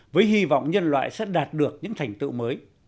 với hy vọng nhân loại sẽ đạt được những thành tựu mới